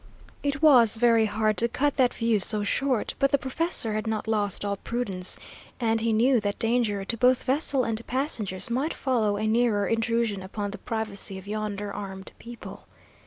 It was very hard to cut that view so short, but the professor had not lost all prudence, and he knew that danger to both vessel and passengers might follow a nearer intrusion upon the privacy of yonder armed people.